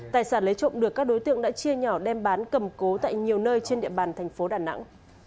tài sản lấy trộm được các đối tượng đã chia nhỏ đem bán cầm cố tại nhiều nơi trên địa bàn thành phố đà nẵng